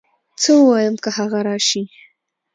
څه ووايم که هغه راشي